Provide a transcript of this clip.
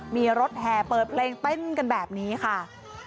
มีรถแห่เปิดเพลงเต้นกันแบบนี้ค่ะ